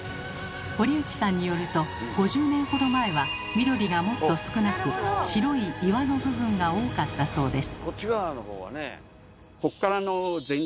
堀内さんによると５０年ほど前は緑がもっと少なく白い岩の部分が多かったそうです。